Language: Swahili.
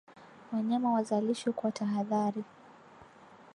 Wanyama wazalishwe kwa tahadhari